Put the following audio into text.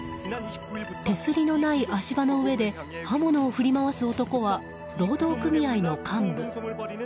手すりのない足場の上で刃物を振り回す男は労働組合の幹部。